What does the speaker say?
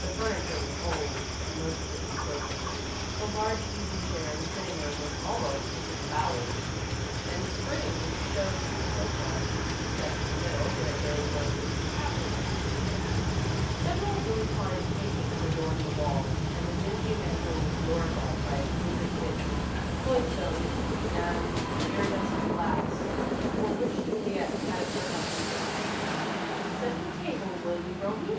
The furniture was old and most of it was broken. The large easy chair in the sitting room was almost disembowelled, and springs showed through the sofa, except in the middle, where there was a cavernous depression. Several really fine paintings adorned the walls, and the dingy mantel was glorified by exquisite bits of Cloisonne and iridescent glass, for which Juliet had a pronounced fancy. "Set the table, will you, Romie?"